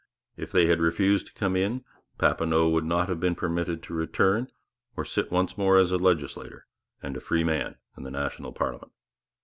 If they had refused to come in, Papineau would not have been permitted to return, or to sit once more as a legislator and a free man in the national parliament.